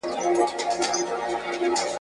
د رستم په شاني ورسه و جګړو ته د زمریانو ..